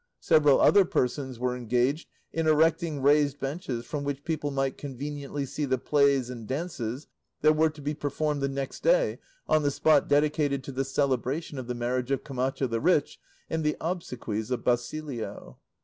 Several other persons were engaged in erecting raised benches from which people might conveniently see the plays and dances that were to be performed the next day on the spot dedicated to the celebration of the marriage of Camacho the rich and the obsequies of Basilio.